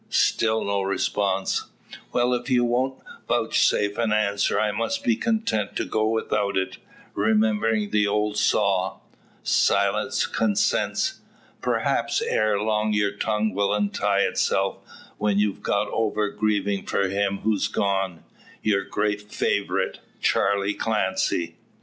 Still no response. "Well; if you won't vouchsafe an answer, I must be content to go without it; remembering the old saw `Silence consents.' Perhaps, ere long your tongue will untie itself; when you've got over grieving for him who's gone your great favourite, Charley Clancy.